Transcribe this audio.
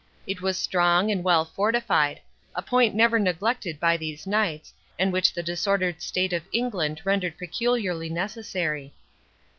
It was strong and well fortified, a point never neglected by these knights, and which the disordered state of England rendered peculiarly necessary.